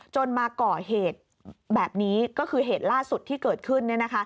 จนมาเกาะเหตุแบบนี้ก็คือเหตุล่าสุดที่เกิดขึ้นเนี่ยนะคะ